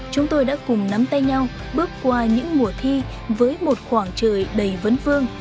chúng tôi đã cùng nắm tay nhau bước qua những mùa thi với một khoảng trời đầy vấn vương